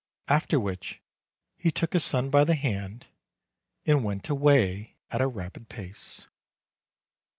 After which he took his son by the hand, and went away at a rapid pace.